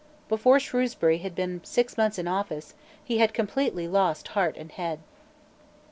Before Shrewsbury had been six months in office, he had completely lost heart and head.